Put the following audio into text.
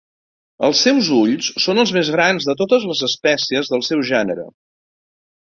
Els seus ulls són els més grans de totes les espècies del seu gènere.